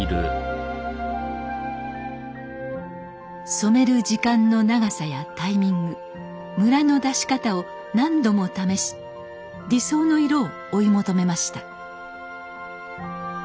染める時間の長さやタイミングムラの出し方を何度も試し理想の色を追い求めました。